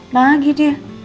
nih lagi dia